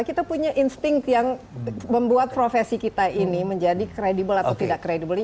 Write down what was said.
kita punya insting yang membuat profesi kita ini menjadi kredibel atau tidak kredibel